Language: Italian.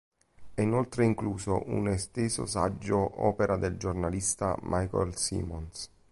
È inoltre incluso un esteso saggio opera del giornalista Michael Simmons.